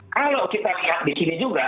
kalau kita lihat di sini juga